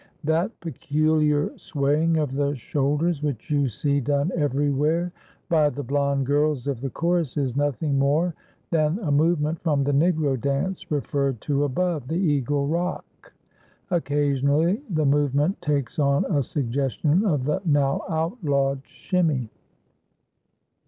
That peculiar swaying of the shoulders which you see done everywhere by the blond girls of the chorus is nothing more than a movement from the Negro dance referred to above, the "eagle rock." Occasionally the movement takes on a suggestion of the, now outlawed, "shimmy."